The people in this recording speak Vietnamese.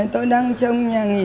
tôi đang trong nhà nghỉ